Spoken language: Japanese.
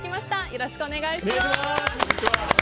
よろしくお願いします。